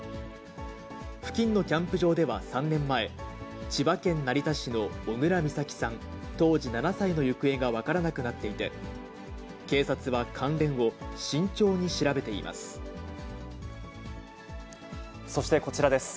付近のキャンプ場では３年前、千葉県成田市の小倉美咲さん当時７歳の行方が分からなくなっていて、警察は関連を慎重に調べています。